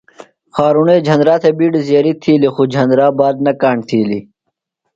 خارُݨے جھندرا تھےۡ بِیڈیۡ زیریۡ تِھیلیۡ خُو جھندرا بات کاݨ نہ تِھیلیۡ۔